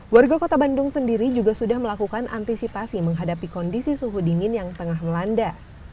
warga kota bandung sendiri juga sudah melakukan antisipasi menghadapi kondisi suhu dingin yang tengah melanda